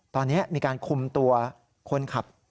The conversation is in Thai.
ตอนนี้มีการคุมตัวคนขับ